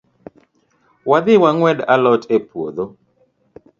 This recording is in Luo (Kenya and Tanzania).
Wadhii wangwed alot e puodho.